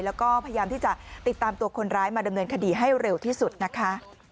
แล้วก็พยายามที่จะติดตามตัวคนร้ายมาดำเนินคดีให้เร็วที่สุดนะคะ